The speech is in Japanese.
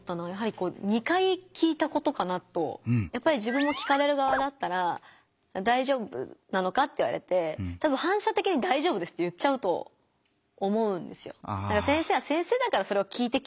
やっぱり自分も聞かれる側だったら「大丈夫なのか？」って言われてたぶん反射的に「大丈夫です」って言っちゃうと思うんですよ。